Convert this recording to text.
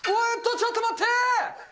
えっと、ちょっと待って！